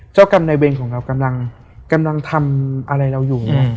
เจ้ากรรมในเวรของเรากำลังทำอะไรเราอยู่